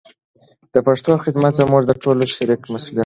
د پښتو خدمت زموږ د ټولو شریک مسولیت دی.